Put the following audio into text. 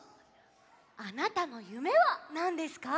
あなたのゆめはなんですか？